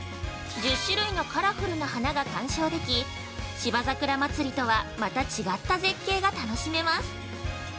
１０種類のカラフルな花が観賞でき芝桜まつりとはまた違った絶景が楽しめます。